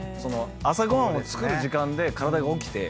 朝ご飯を作る時間で体が起きて。